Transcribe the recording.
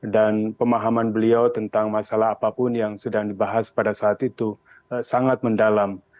dan pemahaman beliau tentang masalah apapun yang sedang dibahas pada saat itu sangat mendalam